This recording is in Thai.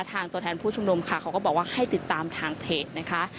ตัวแทนผู้ชุมนุมค่ะเขาก็บอกว่าให้ติดตามทางเพจนะคะ